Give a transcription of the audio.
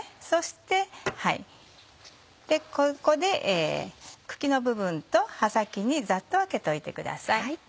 そしてここで茎の部分と葉先にざっと分けといてください。